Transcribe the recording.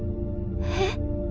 えっ？